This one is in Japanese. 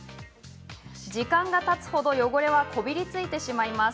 時間がたつほど汚れはこびりついてしまいます。